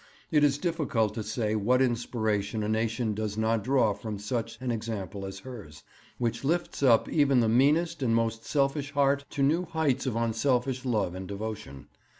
It is difficult to say what inspiration a nation does not draw from such an example as hers, which lifts up even the meanest and most selfish heart to new heights of unselfish love and devotion.